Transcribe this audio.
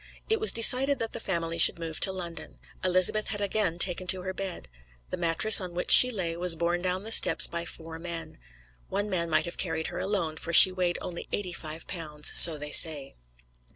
It was decided that the family should move to London. Elizabeth had again taken to her bed. The mattress on which she lay was borne down the steps by four men; one man might have carried her alone, for she weighed only eighty five pounds, so they say.